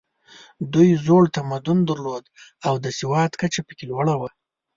دوی زوړ تمدن درلود او د سواد کچه پکې لوړه وه.